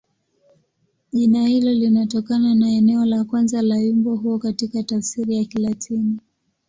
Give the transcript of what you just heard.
Jina hilo linatokana na neno la kwanza la wimbo huo katika tafsiri ya Kilatini.